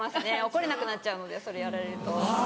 怒れなくなっちゃうのでそれやられると。